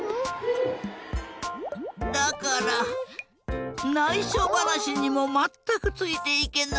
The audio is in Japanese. だからないしょばなしにもまったくついていけない。